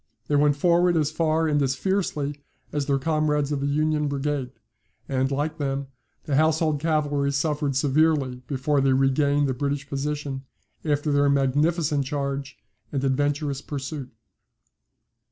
They went forward as far and as fiercely as their comrades of the Union Brigade; and, like them, the Household cavalry suffered severely before they regained the British position, after their magnificent charge and adventurous pursuit.